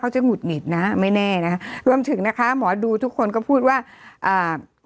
จะหุดหงิดนะไม่แน่นะรวมถึงนะคะหมอดูทุกคนก็พูดว่าอ่า